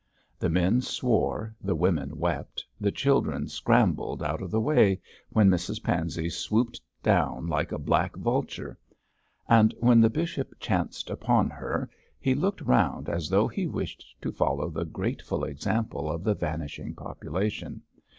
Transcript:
The men swore, the women wept, the children scrambled out of the way when Mrs Pansey swooped down like a black vulture; and when the bishop chanced upon her he looked round as though he wished to follow the grateful example of the vanishing population.